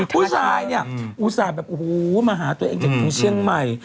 ผู้ชายเนี่ยอุตส่าห์แบบโอ้โหมาหาตัวเองจากเชียงใหม่